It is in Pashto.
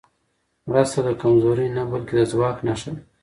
مرسته د کمزورۍ نه، بلکې د ځواک نښه ده.